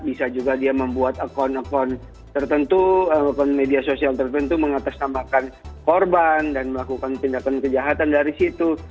bisa juga dia membuat akun akun tertentu akun media sosial tertentu mengatasnamakan korban dan melakukan tindakan kejahatan dari situ